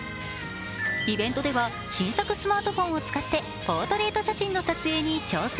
イベントでは新作スマートフォンを使ってポートレート写真の撮影に挑戦。